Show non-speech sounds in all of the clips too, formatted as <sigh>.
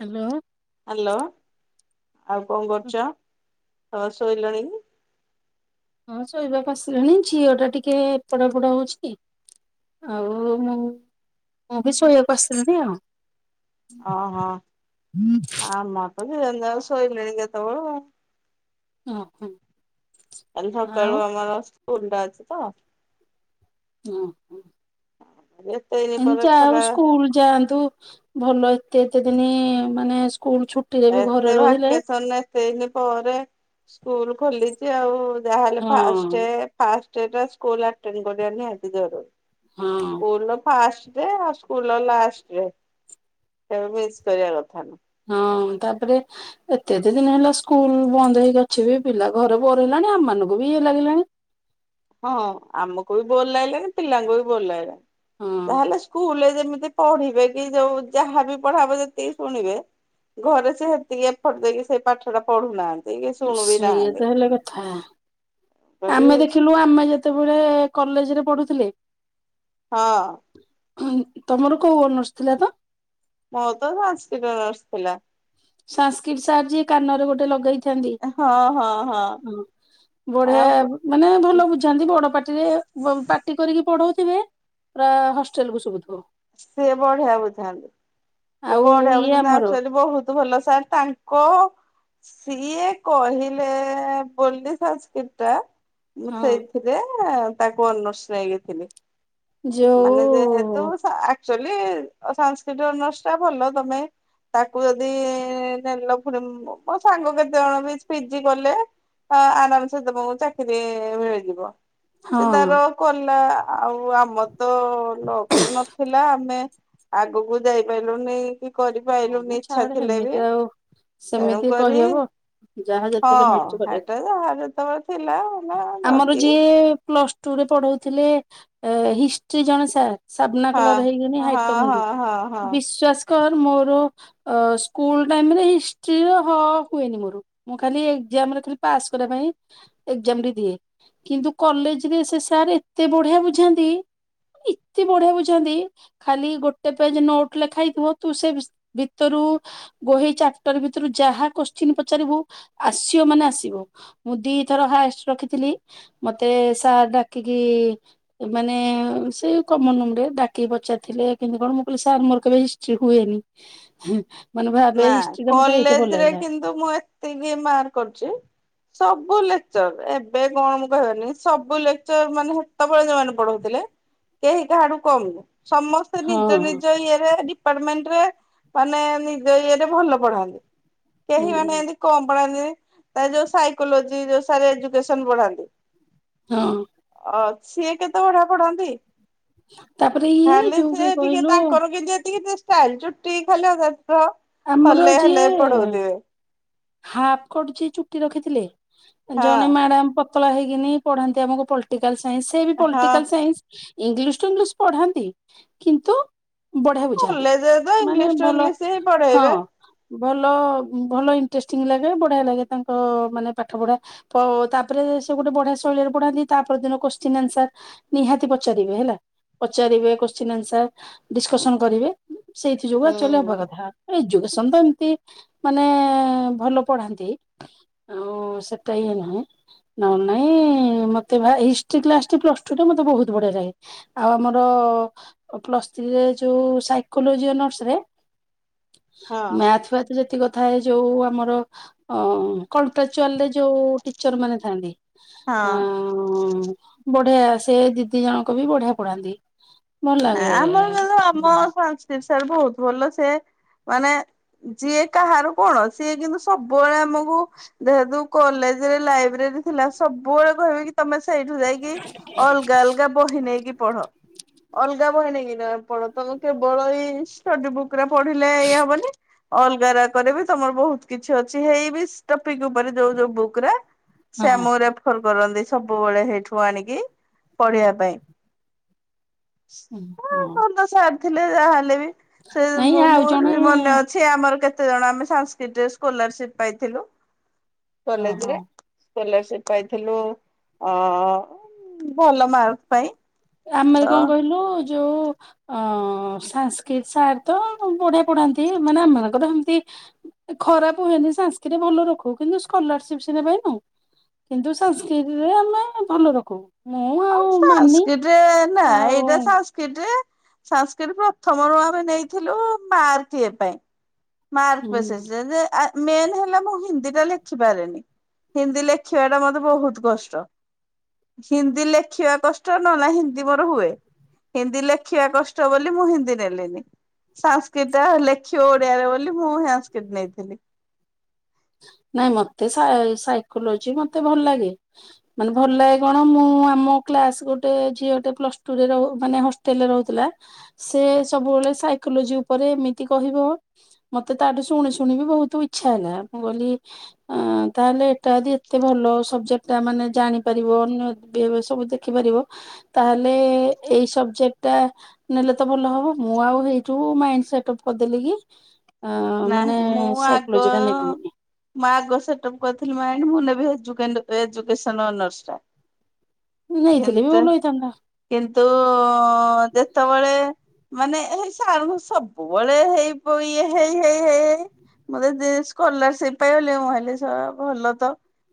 Hello. Hello, ଆଉ କଣ କରୁଚ ତମେ ଶୋଇଲଣି କି? ହଁ, ଶୋଇବାକୁ ଆସିଲାଣି ଝିଅ ଟା ଟିକେ ଏପଟ ସେପଟ ହଉଚି ଆଉ ମୁଁ, ମୁଁ ବି ଶୋଇବାକୁ ଆସିଲିଣି ଆଉ। ଓହୋ, ଆମର ତ ଦି ଜଣ ଯାକ ଶୋଇଲେଣି କେତବଳୁ ଆଉ। <inaudible> କାଲି ଆଉ ସକାଳୁ ଆମର ସ୍କୁଲ୍ ଟା ଅଛି ତ ହଁ। <unintelligible> ଏ ଯାଉ ଖରା ସ୍କୁଲ ଯାଆନ୍ତୁ ଭଲ ଏତେ-ଏତେ ଦିନି ମାନେ ସ୍କୁଲ୍ ଛୁ ଏତେ ଭ୍ୟକେସନ୍ ରେ <unintelligible> ପରେ ସ୍କୁଲ୍ ଖୋଲିଚି ଆଉ ଯାହାହେଲେ ହଁ ଫାଷ୍ଟେ ଫାଷ୍ଟେ ଟା ସ୍କୁଲ୍ ଅଟେଣ୍ଡ କରିବା ନିହାତି ଜରୁରୀ। ହୁଁ। ସ୍କୁଲ୍ ର ଫାଷ୍ଟେ ରେ ଆଉ ସ୍କୁଲ୍ ର ଲାଷ୍ଟେ ରେ କେବେ ମିସ୍ କରିବା କଥା ନୁହଁ। ହଁ, ତାପରେ ଏତେ-ଏତେ ଦିନ୍ ହେଲା ସ୍କୁଲ୍ ବନ୍ଦ ହେଇକି ଅଛି ବି ପିଲା ଘରେ ବୋର୍ ହେଲାଣି, ଆମ ମାନଙ୍କୁ ବି ଇଏ ଲାଗିଲାଣି। ହଁ ଆମକୁ ବି ବୋର୍ ଲାଗିଲାଣି ପିଲାଙ୍କୁ ବି ବୋର୍ ଲାଗିଲାଣି, ଯାହେଲେ ହଁ ସ୍କୁଲରେ ଯେମିତି ପଢିବେ କି ଯୋଉ ଯାହାବି ପଢ଼ାହବ ଯେତିକି ଶୁଣିବେ ଘରେ ସେ ସେତିକି ଏଫୋର୍ଟ୍ ଦେଇକି ସେଇ ପାଠଟା ପଢୁନାହାନ୍ତି। କି ଶୁଣୁ ବି ସେଇଆ ନାହାନ୍ତି। ତ ହେଲା କଥା, କରି ଆମେ ଦେଖିଲୁ ଆମେ ଯେ ତେବେଳେ କଲେଜ୍ ରେ ପଢୁଥିଲେ ହଁ। ତମର କୋଉ ଅନର୍ସ ଥିଲା ତ? ମୋର ତ ସାସ୍କରିଟ୍ ଅନର୍ସ ଥିଲା। ସାଂସ୍କରିଟ୍ ସାର୍ ଯିଏ କାନରେ ଗୋଟ ଲଗେଇ ଥାନ୍ତି, ହଁ ହଁ ହଁ ବଢିଆ ଆଉ ମାନେ ଭଲ ବୁଝାନ୍ତି ବଡ ପାଟି ରେ ପାଟି କରିକି ପଢଉଥିବେ ପୁରା ହଷ୍ଟେଲ୍ କୁ ଶୁଭୁଥିବ। ସିଏ ବଢିଆ ବୁଝାନ୍ତି ତ ଆଉ ବଢିଆ ଇଏ <unintelligible> ଆମର ଆକଚୁଆଲି ବହୁତ୍ ଭଲ ସାର୍, ତାଙ୍କ ସିଏ କହିଲେ ବୋଲି ସାସ୍କରିଟ୍ ଟା ମୁଁ ହଁ ସେଇଥିରେ ତାକୁ ଅନର୍ସ ନେଇଥିଲି। ମାନେ ଯୋଉ ଯେହେତୁ ସା ଆ କଚୁଆଲି ସାଂସ୍କରିଟ୍ ଅନର୍ସ ଭଲ ତମେ ତାକୁ ଯଦି ନେଲ ପୁଣି ମୋ ସାଙ୍ଗ କେତେଜଣ ବି ପିଜି କଲେ। ହଁ, ଆରାମ୍ସେ ତମୁକୁ ଚାକିରି ମିଳିଯିବ। ସେ ହଁ ତାର କଲା, ଆଉ ଆମର ତ ଲକ୍ରେ ନ ଥିଲା, ଆମେ ଆଗକୁ ଯାଇପାଇଲୁନି କି ହଁ ମ କରିପାଇଲୁନି ଇଚ୍ଛା ଛାଡେ ଥିଲେ ହେମିତି ବି। ଆଉ ସେମିତି ତେଣୁକରି କହିହବ। ଯାହା ଯେତେବେଳେ ହଁ ମିଳୁଛି କରିବାକୁ ହେଟା <inaudible> ଥିଲା ହେଲା <unintelligible> ଏ ପ୍ଲସ୍ ଟୁ ରେ ପଢଉଥିଲେ ହିଷ୍ଟ୍ରି ଜଣେ ସାର୍। ସାବନା ହଁ କଲର୍ ହେଇକିନି ହଁ ହାଇଟ୍ କମ୍, ହଁ ହଁ ହଁ। ବିଶ୍ଵାସ୍ କର ମୋର ଅ ସ୍କୁଲ ଟାଇମରେ ହିଷ୍ଟ୍ରି ର ହ ହୁଏନି ମୋର ମୁଁ ଖାଲି ଏକ୍ସାମରେ ଖାଲି ପାସ କରିବା ପାଇଁ ଏକ୍ସାମ ଦେଇ ଥିଲି କିନ୍ତୁ କଲେଜ ରେ ସେ ସାର୍ ଏତେ ବଢିଆ ବୁଝାନ୍ତି ଏତେ ବଢିଆ ବୁଝାନ୍ତି ଖାଲି ଗୋଟେ ପେଜ ନୋଟ୍ ଲେଖା ହେଇଥିବ ତୁ ସେ ଭିତରୁ ବହି ଚାପ୍ଟର ଭିତରୁ ଯାହା କୋଶ୍ଚିନ୍ ପଚାରିବୁ ଆସିବ ମାନେ ଆସିବ ମୁଁ ଦିଥର ହାଏଷ୍ଟ ରଖିଥିଲି ମତେ ସାର୍ ଡାକିକି ଏ ମାନେ ସେ କମନ ରୁମରେ ଡାକିକି ପଚାରି ଥିଲେ କିନ୍ତୁ କଣ ମୁଁ କହିଲି ସାର୍ ମୋର କେବେ ହି ଷ୍ଟ୍ରି ହୁଏନି ମାନେ ନା ଭାବେ ହିଷ୍ଟ୍ରି ଟା ମତେ ଏଇଠି ଭଲ କଲେଜରେ ଲାଗିଲା କିନ୍ତୁ ମୁଁ ଏତିକି ମାର୍କ କରୁଛି ସବୁ ଲେକ୍ଚର ଏ ଏବେ କଣ ମୁଁ କହିପାରୁନି ସବୁ ଲେକ୍ଚର ମାନେ ହେତେବେଳେ ଯୋଉମାନେ ପଢଉଥିଲେ କେହି କାହାଠୁ କମ ନୁହଁ ସମ ସେ ନିଜ ହଁ ନିଜ ଇଏରେ ଡିପାର୍ଟମେଣ୍ଟ ରେ ମାନେ ନିଜ ଇଏରେ ଭଲ ପଢାନ୍ତି କେହି ମାନେ ହୁଁ ଏମିତି କମ୍ ପଢାନ୍ତିନି ତା ଯୋଉ ସାଇକୋଲୋଜି ଯୋଉ ସାର ଏଜୁକେସନ ବଢାନ୍ତି ହଁ ଅଛି ଏ କେତେ ବଢିଆ ପଢ଼ାନ୍ତି ତାପରେ ଇଏ ଖାଲି ଯୋଉ ସେ କିଏ ଟିକେ କହିଲୁ ତାଙ୍କର କିନ୍ତୁ ଏତିକି ଟିକେ ଷ୍ଟାଇଲ ଚୁଟି ଖୋଲିବ ତ ଆମର ଯିଏ ହାପ୍ କଟ୍ ଯିଏ ଚୁଟି ରଖିଥିଲେ ଜଣେ ହଁ ମ୍ୟାଡାମ ପ ପତଳା ହେଇକି ପଢାନ୍ତି ଆମକୁ ପଲିଟିକାଲ ସାଇନ୍ସ ସେ ବି ହଁ political science English to English ପଢାନ୍ତି କିନ୍ତୁ ବଢିଆ ବୁଝ କଲେଜରେ ତ ଇଂଲିଶ ଟୁ ଇଂଲିଶ ହିଁ ହଁ ପଢେଇବେ ଭଲ ଭଲ ଇଣ୍ଟରେଷ୍ଟିଙ୍ଗ ଲାଗେ ବଢିଆ ଲାଗେ ତାଙ୍କ ମାନେ ପାଠ ପଢା ତ ତାପରେ ସେ ଗୋଟେ ବଢିଆ ଶୈଳୀରେ ପଢାନ୍ତି ତାପର ଦିନ କୋଶ୍ଚିନ୍ ଆନ୍ସର ନିହାତି ପଚାରିବେ ହେଲା ପଚାରିବେ କୋସ୍ଚିନ ଆନ୍ସର ଡିସକସନ କରିବେ ସେଇଥିରୁ ଆକ୍ଚୁଆଲି ହବା ହୁଁ। କଥା ଏଜୁକେସନ ତ ଏମିତି ମାନେ ଭଲ ପଢାନ୍ତି ଆଉ ସେଟା ହିଁ ହେଲାନି ନହେଲେ ନାଇଁ ମତେ ହିଷ୍ଟ୍ରୀ କ୍ଲାସ ପ୍ଲସ ଟୁ ଟା ମତେ ବହୁତ ବଢିଆ ଲାଗେ ଆଉ ଆମର ପ୍ଲସ୍ ଥ୍ରୀରେ ଯୋଉ ସାଇକୋଲୋଜି ଅନର୍ସ ରେ ହଁ। ମ୍ୟାଥ ଫ୍ୟାଥ ଯେତିକି କଥା ଏ ଯୋଉ ଆମର ଅ କଣ୍ଟ୍ରାଚୁଆଲରେ ଯୋଉ ଟିଚର ମାନେ ଥାଆନ୍ତି ହଁ ହ ବଢିଆ ସେ ଦିଦି ଜଣକ ବି ବଢିଆ ପଢାନ୍ତି ଭଲ ନା ଲାଗେ। ଆମର ଜଣେ ଆମ ସଂସ୍କୃତ ସାର ବହୁତ ଭଲ ସେ ମାନେ ଯିଏ କାହାର କୁହ ସିଏ କିନ୍ତୁ ସବୁବେଳେ ଆମକୁ ଦେହେତୁ କଲେଜରେ ଲାଇବ୍ରେରୀ ଥିଲା ସବୁବେଳେ କହିବେ କି ତମେ ସେଇଠୁ ଯାଇକି ଅଲଗା ଅଲଗା ବହି ନେଇକି ପଢ ଅଲଗା ବହି ନେଇକିନା ପଢ ତମ କେବଳ ଏଇ ଷ୍ଟଡି ବୁକ୍ ରା ପଢିଲେ ଇଏ ହବନି ଅଲଗାରା କରେ ବି ତମର ବହୁତ କିଛି ଅଛି ହେଇ ବି ଟପିକ ଉପରେ ଯୋଉ ଯୋଉ ବୁକ୍ ର ସେ ହଁ ଆମକୁ ରେଫର କରନ୍ତି ସବୁବେଳେ ସେଇଠୁ ଆଣିକି ପଢିବା ପାଇଁ ହ ହଁ ବନ୍ଦ ସାର ଥିଲେ ଯାହା ହେଲେ ବି ସେ ମୋ ନାଇଁ ମୋ ଆଉ ମୋର ଜଣେ ବି ମନେ ଅ ସେ ଆମର କେତେ ଜଣ ଆମେ ସାଂସ୍କତି ସ୍କଲାରସିପ ପାଇଥିଲୁ ଓହୋ କଲେଜରେ ସ୍ଲଲାରସିପ ପାଇଥିଲୁ ଅ ଭଲ ମାର୍କ ପାଇଁ ଏ ଆମେ ତ କଣ କହିଲୁ ଯୋଉ ଅ ସାନସ୍କ୍ରିଟ ସାର୍ ତ ବଢିଆ ପଢାନ୍ତି ମାନେ ଏମାନଙ୍କର ହେମ୍ ତି ଖରାପ ହୁଏନି ସାଂସ୍କୃତ ଭଲ ରଖୁ କିନ୍ତୁ ସ୍କଲାରସିପ ସିନା ପାଇନୁ। କିନ୍ତୁ ସାନସ୍କ୍ରୀଟ ରେ ଆମେ ଭଲ ରଖୁ। ମୁଁ ହଁ ଆଉ ମାନି ସାନସ୍କ୍ରୀଟ ନା ଆଉ ଏଇଟା ସାନ ସାନସ୍କ୍ରୀଟ ରେ ସଂସ୍କ୍ରିଟ ପ୍ରଥମରୁ ଆମେ ନେଇଥିଲୁ ମାର୍କ ଇଏ ପାଇଁ। ମାର୍କ ହୁଁ ପ୍ରୋସେସ ରେ ଯେ ମେନ୍ ହେଲା ମୁଁ ହିନ୍ଦୀ ଟା ଲେଖିପାରେନି। ହିନ୍ଦୀ ଲେଖିବା ଟା ମତେ ବହୁତ କଷ୍ଟ। ହିନ୍ଦୀ ଲେଖିବା କଷ୍ଟ ନହେଲେ ହିନ୍ଦୀ ମୋର ହୁଏ। ହିନ୍ଦୀ ଲେଖିବା କଷ୍ଟ ବୋଲି ମୁଁ ହିନ୍ଦୀ ନେଲିନି, ସାନ୍ସକ୍ରିଟଟା ଲେଖିବ ଓ ଡିଆରେ ବୋଲି ମୁଁ ସାନ୍ସକ୍ରିଟ ନେଇଥିଲି। ନାଇଁ ମତେ ସାଇକୋଲୋଜି ମତେ ଭଲ ଲାଗେ। ମାନେ ଭଲ ଲାଗେ କଣ ମୁଁ ଆମ କ୍ଲାସ ଗୋଟେ ଝିଅ ଟେ ପ୍ଲସ ଟୁରେ ରହୁ ମାନେ ହସ ଟେଲ ରେ ରହୁଥିଲା, ସେ ସବୁବେଳେ ସାଇକୋଲୋଜି ଉପରେ ଏମିତି କହିବ। ମତେ ତାଠୁ ଶୁଣି ଶୁଣି କି ବହୁତ ଇଚ୍ଛା ହେଲା ମୁଁ କହିଲି ଅ ତାହେଲେ ଏଟା ଯଦି ଏତେ ଭଲ ସବଜେକ୍ଟ ଟା ମାନେ ଜାଣିପାରିବ ଅନ୍ୟ ବିହେବିଅ ସବୁ ଦେ ସିଖିପାରିବ, ତାହେଲେ ଏଇ ସବଜେକ୍ଟ ଟା ନେଲେ ତ ଭଲ ହବ, ମୁଁ ଆଉ ହେଇଠୁ ମାଇଣ୍ଡ ସେଟପ କରିଦେଲି କି ଅ ମାନେ ନାହିଁ ସାଇକୋଲୋଜି ଟା ନେବି ବୋଲି। ମୁ ଆଗ ସେଟପ୍ କରିଥିଲି ମାଇଣ୍ଡ ମୁଁ ନେବି ଏଜୁକେଣ୍ଡ ଏ ଏଜୁକେସନ ଅନର୍ସ ଟା। ନେଇଥିଲେ ବି କିନ୍ତୁ ଭଲ ହେଇଥାନ୍ତା। କିନ୍ତୁ ଯେତବେଳେ ମାନେ ହେଇ ସାରଙ୍କୁ ସବୁବେଳେ ହେଇ ବଇ ଇଏ ହେଇ ହେଇ ହେଇ ମୁତେ ସ୍କଲରସିପ ପାଇଗଲେ ମୁଁ ମୁ ଭାବିଲି ସ ଭଲ ତ।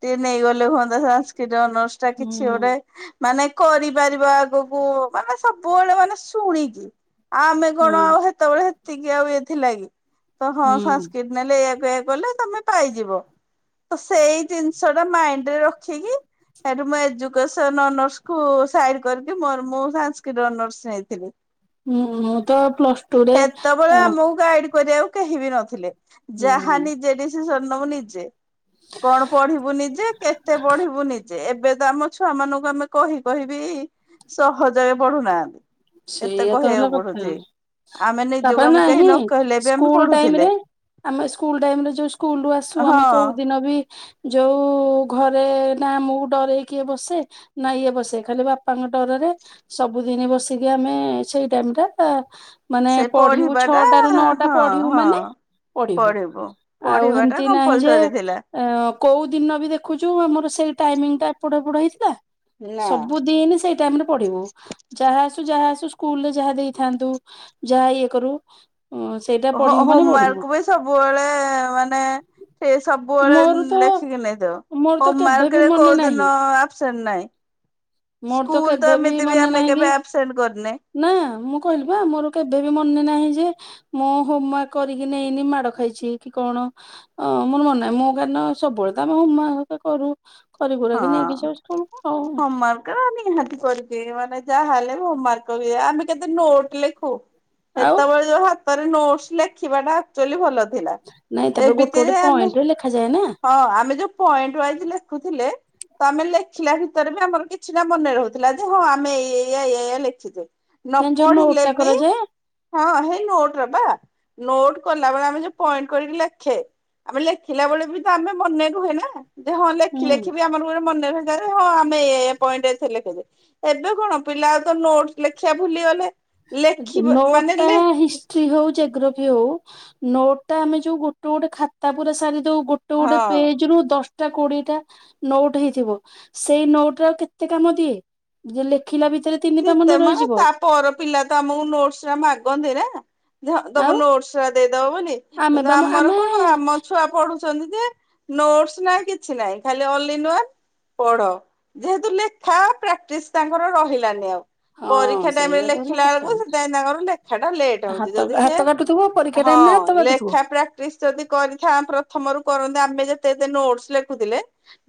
ଟିକେ ନେଇଗଲେ ହୁଅନ୍ତା ସାନ୍ସକ୍ରିଟ ଅନସ ଟା ହୁଁ କିଛି ଗୋଟେ ମାନେ କରିପାରିବା ଆଗକୁ ମାନେ ସବୁବେଳେ ମାନେ ଶୁଣିକି। ଆଉ ଆମେ ହୁଁ କଣ ଆଉ ହେତେବେଳେ ହେତିକି ଆଉ ଇଏ ଥିଲା କିି ତ ହଁ ହୁଁ ସାନ୍ସକ୍ରିଟ ନେଲେ ଏଇଆକୁ ଏଇଆ କଲେ ତମେ ପାଇଯିବ। ତ ସେଇ ଜିନିଷ ଟା ମାଇଣ୍ଡ ରେ ରଖିକି ସେଠୁ ମୁଁ ଏଜୁକସନ ଅନର୍ସକୁ ସାଇଡ କରିକି ମର ମୁଁ ସାନ୍ସକ୍ରିଟ ଅନର୍ସ ନେଇଥିଲି। ମୁଁ ମୁଁ ତ ପ୍ଲସ ଟୁ ରେ ସେତେବେଳେ ଅ ଆମକୁ ଗାଇଡ କରିବାକୁ କେହି ବି ନଥିଲେ ହୁଁ ଯାହା ନିଜେ ଡିସିସନ ନବୁ ନିଜେ। କଣ ପଢିବୁ ନିଜେ, କେତେ ପଢିବୁ ନିଜେ, ଏବେ ତ ଆମ ଛୁଆ ମାନଙ୍କୁ ଆମେ କହି କହିବି ସହଜରେ ପଢୁନାହାନ୍ତି। କେତେ ସେଇଆ ତ ହେଲା କହିବାକୁ କଥା, ପଡୁଛି। ଆମେ ନିଜକୁ ତାପରେ ଆମକୁ କେହି ନାହିଁ ନ କହିଲେ ବି ଆମେ ସ୍କୁଲ ଟାଇମ ପଢୁଥିଲେ ରେ ଆମେ ସ୍କୁଲ ଟାଇମରେ ଯୋଉ ସ୍କୁଲରୁ ଆସୁ ହଁ। ଆମେ କୋଉ ଦି ଦିନ ବି ଯୋଉ ଘରେ ନା ମୁଁ ଡରେଇ କିଏ ବସେ ନା ଇଏ ବସେ, ଖାଲି ବାପାଙ୍କ ଡରରେ ସବୁଦିନି ବସେ ତିକିି ଆମେ ସେଇ ଟାଇମ୍ ଟା ମାନେ ସେ ପଢିବୁ ପଢିବା ଟା ଛଅଟା ରୁ ନଅଟା ହଁ ପଢିବୁ ମାନେ ହଁ। ପଢିବୁ, ଆଉ ପଢିବା ଟା ହେମତି ନାହିଁ ଯେ କମ୍ପଲସରୀ ଥିଲା। କୋଉ ଦିନ ବି ଦେଖୁଛୁ ଆମର ସେଇ ଟାଇମିଙ୍ଗ ଟା ଏପଡ ହେପଡ ହେଇଥିଲା। ନା। ସବୁ ଦିନ ସେଇ ଟାଇମ ରେ ପଢିବୁ, ଯାହା ଯାହା ଆସୁ ସ୍କୁଲ ରେ ଯାହା ଦେଇଥାନ୍ତୁ ଯାହା ଇଏ କରୁ ଅ ସେଇଟା ହ ପଢିବ ମାନେ ପଢିବ ହୋମୱାର୍କ ବି ସବୁବେଳେ ମାନେ ସେ ସବୁବେଳେ ମୋର ତ ଲେଖିକି ନେଇଥାଉ ମୋର ତ କେବେ ବି ହୋମୱାର୍କ ରେ ମନେ ନାହିଁ କୋଉଦିନ ନାଇଁ ମୋର ସ୍କୁଲ ତ କେବେ ଏମିତି ବି ମନେ ଆମେ ନାହିଁ କି କେବେ ଆପସେଣ୍ଟ କରିନେ। ନା ମୁଁ କହିଲି ପା ମୋର କେଭେବି ମନେ ନାହିଁ ଯେ ମୁଁ ହୋମ ୱାର୍କ କରିକି ନେଇନି ମାଡ ଖାଇଛି କି କଣ ହଁ ମୋର ମନେ ନାହିଁ ମୁଁ କାହିଁକିନା ସବୁବେଳେ ତ ଆମେ ହୋମ ୱାକ ହରିକା କରୁ। ହଁ। କରିକୁୁରାକି ନେଇକି ଯାଉ ସ୍କୁଲକୁୁ ଆଉ। ହୋମୱାର୍କ ନିହାତି କରିକି ମାନେ ଯାହାହଲେ ହୋମମାର୍କ କରିକି ଜା ଆମେ କେତେ ନୋଟ ଲେଖୁ। ଆଉ ହେତେବେଳେ ଯୋଉ ହାତରେ ନୋଟସ ଲେଖିବାଟା ଆକ୍ଚୁଆଲି ଭଲ ଥିଲା ନାଇଁ ତାପରେ ଗୋଟେ ଏମିତି ଗୋଟେ ଆମେ ପଏଣ୍ଟରେ ଲେଖାଯାଏ ନା ହଁ ଆମେ ଯୋଉ ପଏଣ୍ଟ ୱାଇଜ ଲେଖୁଥିଲେ ତ ଆମେ ଲେଖିଲା ଭିତରେ ବି ଆମର କିଛି ଟା ମନେ ରହୁଥିଲା ଯେ ହଁ ଆମେ ଏଇ ଏଇଆ ଏଇଆ ଏଇଆ ଲେଖିଛେ। ନ କି ଯୋଉ ନୋଟ ପଢିଲେ ଟା ବି କରାଯାଏ ହଁ ହେଇ ନୋଟରା ବା। ନୋଟ କଲା ବେଳେ ଆମେ ଯୋଉ ପଏଣ୍ଟ କରିକି ଲେଖେ ଆମେ ଲେଖିଲା ବେଳେ ବି ତ ଆମେ ମନେ ରୁହେନା ଯେ ହଁ ଲେଖିଲେ ହୁଁ କି ଆମର ଗୁରେ ମନେରହି ଯାଏ ହଁ ଆମେ ଏଇଆ ଏଇଆ ପଏଣ୍ଟ ଏଥିରେ ଲେଖିଛେ ଏବେ କଣ ପିଲା ତ ନୋଟ ଲେଖିଆ ଭୁଲିଗଲେ। ଲେଖିବ ମାନେ ନୋଟଟା ଲେ ହିସ ହିଷ୍ଟ୍ରି ହଉ ଯେଗ୍ରୋଫି ହଉ ନୋଟଟା ଆମେ ଯୋଉ ଗୋଟେ ଗୋଟେ ଖାତା ପୁରା ସାରି ଦଉ ଗୋ ଗୋଟେ ଗୋଟେ ହଁ ପେଜରୁ ଦଶ ଟା କୋଡିଏଟା ନୋଟ ହେଇଥିବ ସେଇ ନୋଟରା କେତେ କାମ ଦିଏ? ଜିଏ ଲେଖିଲା ବି ଶିତେ ମ ତା ପର ପିଲା ତ ଆମକୁ ନୋଟସରା ମାଗନ୍ତି ନା ହଁ ତମ ଆଉ ନୋଟସ ଛୁଆ ଦେଇଦବ ବୋଲି ଆମେ କିନ୍ତୁ ବା ଆମର ଆମେ କଣ ଆମ ଛୁଆ ପଢୁଛନ୍ତି ଯେ ନୋଟସ୍ ନା କିଛି ନାହିଁ ଖାଲି ଅଲିନି ୱାନ ପଢ ଯେହେତୁ ଲେଖା ପ୍ରାକ୍ଟିସ ତାଙ୍କର ରହିଲାନି ଆଉ। ହଁ ପରୀକ୍ଷା ଟାଇମରେ ସେଇଆ ତ ହେଲା ଲେଖିଲା କଥା ବେଳକୁ ସେଥିପାଇଁ ତାଙ୍କର ଲେଖାଟା ଟିକେ ଲେଟ୍ ହଉଛି ହାତ ଯଦି ସେ ହାତ କାଟୁଥିବ ପରୀକ୍ଷା ହଁ ଟାଇମ ରେ ହାତ କାଟୁଥିବ ଲେଖା ପ୍ରା <unintelligible> ଯଦି କରିଥା ପ୍ରଥମରୁ କରନ୍ତି ଆମେ ଯେତେ ଏତ ନୋଟସ ଲେଖୁଥିଲେ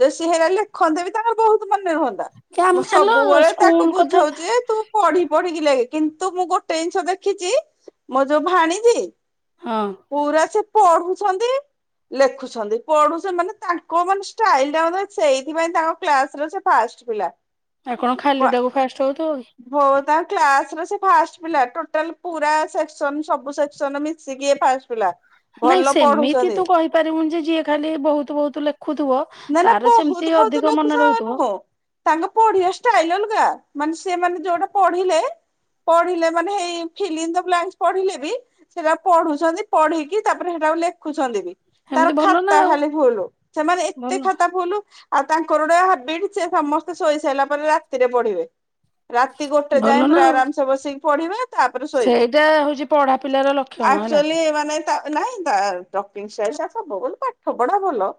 ଯଦି ସିଏ ହେରା ଲେଖନ୍ତେ ବି ତାଙ୍କର ବହୁତ ମନେ ରୁହନ୍ତା। କି ଆମେ ଆଲୋ ସ୍କୁଲ କଥା ଏ ତୁ ପଢି ପଢିକି ଲେ କିନ୍ତୁ ମୁଁ ଗୋଟେ ଜିନିଷ ଦେଖିଛି ମୋ ଯୋଉ ଭାଣୀଜି ହଁ। ପୁରା ସେ ପଢୁଛନ୍ତି ଲେଖୁଛନ୍ତି ପଢୁଛ ମାନେ ତାଙ୍କ ମାନେ ଷ୍ଟାଇଲ ଟା ସେଇଥିପାଇଁ ତାଙ୍କ କ୍ଲାସରେ ସେ ପାଷ୍ଟ ପିଲା। ଆଉକଣ ଖାଲିଟାକୁ ଫାଷ୍ଟ ହଉଥିବ କି? ବୋ ତାଙ୍କ କ୍ଲାସରେ ସେ ଫାଷ୍ଟ ପିଲା ଟୋଟାଲ ପୁରା ସେକ୍ସନ ସବୁ ସେକ୍ସନ ମିଶିକି ଇଏ ଫାସ ଥିଲା। ନାଇଁ ସେମିତି ତୁ କହିପାରିବୁନି ଯେ ଯିଏ ଖାଲି ବହୁତ ବହୁତ ଲେଖୁଥିବ ନା ନା ତାର ବହୁତ ସେମିତି ବହୁତ ଅଧିକ ଲେଖୁଛ ମନେ ରହୁଥିବ। ନୁହଁ ତାଙ୍କ ପଢିବା ଷ୍ଟାଇଲ ଅଲଗା ମାନେ ସେମାନେ ଯୋଉଟା ପଢିଲେ ପଢିଲେ ମାନେ ହେଇ ଫିଲ ଇନ ଦ ବ୍ଲାଙ୍କସ ପଢିଲେ ବି ସେଟା ପଢୁଛନ୍ତି ପଢିକି ତାପରେ ହେଟାକୁ ଲେଖୁଛନ୍ତି ବି। ତାର ସେମିତି ଭଲ ନା ଖାତା ଆଉ ଖାଲି ଫୁଲ ସେ ମାନେ ଏତେ ଭଲ ଖାତା ଫୁଲୁ ଆଉ ତାଙ୍କର ଗୋଟେ ହାବିଟ୍ ସେ ସମସ୍ତେ ଶୋଇ ସାରିଲା ପରେ ରାତିରେ ପଢିବେ। ରାତି ଗୋଟେ ଯାଏଁ ଭଲ ନା ପୁରା ଆଉ ଆରାମସେ ବସିକି ପଢିବେ ତାପରେ ଶୋଇବ ସେଇଟା ହଉଛି ପଢା ପିଲାର ଲକ୍ଷଣ ହେଲା ଆକ୍ଚୁଆଲି ମାନେ ନାଇଁ <unintelligible> ପାଠ ପଢା ଭଲ।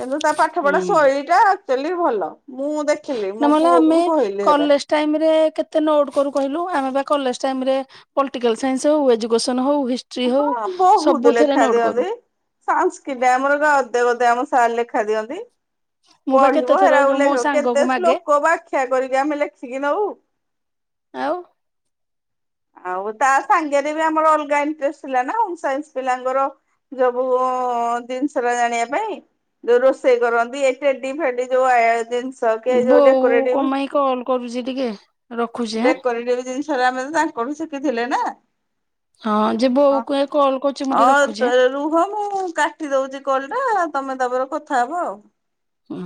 କିନ୍ତୁ ତା ପାଠ ପଢା ହୁଁ ଶୈଳୀ ଟା ଆକ୍ଚୁଆଲି ଭଲ। ମୁଁ ଦେଖିଲି ମୋ ନହେଲେ ପୁଅ ଆମେ କୁ କହିଲି ହେରା। କଲେଜ ଟାଇମ ରେ କେତେ ନୋଟ୍ କରୁ କହିଲୁ ଆମେ ବା କଲେଜ ଟାଇମ ରେ ପଲିଟିକାଲ ସାଇନ୍ସ ହଉ ଏଜୁକସନ ହଉ ହିଷ୍ଟ୍ରି ହଉ ହଁ ସବୁଥିରେ ନୋଟ୍ କରୁ। ସଂସ୍କୃତି ଆମର ଗଦେ ଗଦେ ସାର ଲେଖା ଦିଅନ୍ତି। ମୁଁ ବା କେତେ ପଢିବ ଥର ହେରା ଆଉ ଯୋଉ ମୋ ଲେଖିବ ସାଙ୍ଗକୁ କେତେ ମାଗେ ଶ୍ଳୋକ ବ୍ୟାଖ୍ୟା କରିକି ଆମେ ଲେଖିକି ନଉ। ଆଉ? ଆଉ ତା ସାଙ୍ଗରେ ବି ଆମର ଅଲଗା ଇଣ୍ଟରେଷ୍ଟ ଥିଲା ନା ହୋମ ସାଇନ୍ସ ପିଲାଙ୍କର ସବୁ ଜିନିଷ ଟା ଜାଣିବା ପାଇଁ। ଯୋଉ ରୋଷେଇ କରନ୍ତି ଏ ଟେଡି ଫେଡ଼ି ଯଉ ଜିନଷ ବୋଉ କଣ ପାଇଁ କଲ୍ କରୁଛି ଟିକେ ରଖୁଛି ଆଁ <unintelligible> ହେରା ଆମେ ତ ତାଙ୍କଠୁ ଶିଖିଥିଲେ ନା? ହଁ ଯେ ବୋଉ କୁ କଲ୍ କରୁଛି <inaudible> ମୁଁ ଟିକେ ହଁ ରଖୁଛି ତୋର ରୁହ ମୁଁ କା କାଟି ଦଉଚି କଲ ଟା ତମେ ତାପରେ କଥା ହବ ଆଉ। ହୁଁ